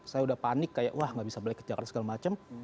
saya udah panik kayak wah nggak bisa balik ke jakarta segala macam